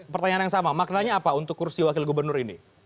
pertanyaan yang sama maknanya apa untuk kursi wakil gubernur ini